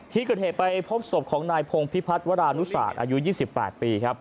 ที่เกิดเหตุไปพบศพของนายพงพิพัฒน์วรานุศาสตร์อายุ๒๘ปีครับ